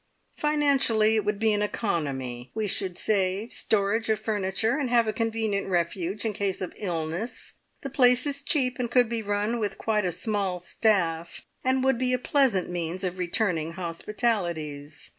"Financially, it would be an economy we should save storage of furniture, and have a convenient refuge in case of illness. The place is cheap, and could be run with quite a small staff, and would be a pleasant means of returning hospitalities.